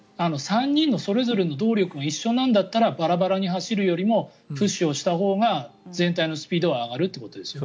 ３人のそれぞれの動力が一緒なんだったらバラバラに走るよりプッシュしたほうが全体のスピードが上がると。